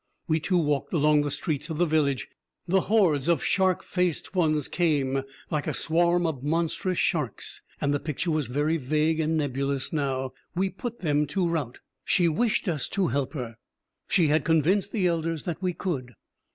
We too walked along the streets of the village. The hordes of shark faced ones came, like a swarm of monstrous sharks, and the picture was very vague and nebulous, now we put them to rout. She wished us to help her, she had convinced the elders that we could.